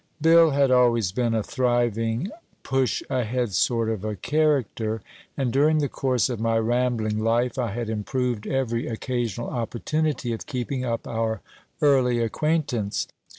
Bill had always been a thriving, push ahead sort of a character, and during the course of my rambling life I had improved every occasional opportunity of keeping up our early acquaintance.